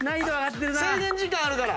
制限時間あるから。